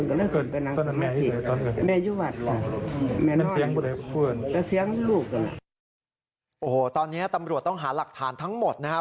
โอ้โหตอนนี้ตำรวจต้องหาหลักฐานทั้งหมดนะครับ